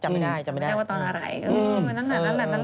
จำไม่ได้พี่อ๋อฟจำไม่ได้ว่าตอนอะไรเจอนั้นแหละนั้น